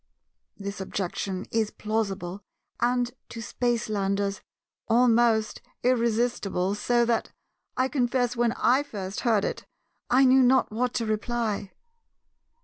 This objection is plausible, and, to Spacelanders, almost irresistible, so that, I confess, when I first heard it, I knew not what to reply.